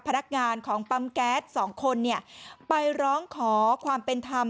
พนักงานของปั๊มแก๊สสองคนเนี่ยไปร้องขอความเป็นธรรม